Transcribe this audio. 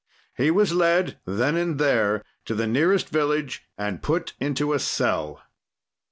"He was led, then and there, to the nearest village and put into a cell.